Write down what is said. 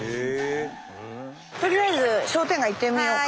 とりあえず商店街行ってみようか。